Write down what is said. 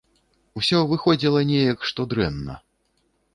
Усё выходзіла неяк, што дрэнна.